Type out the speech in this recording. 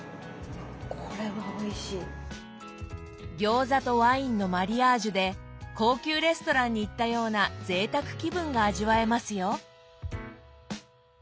餃子とワインのマリアージュで高級レストランに行ったような贅沢気分が味わえますよ。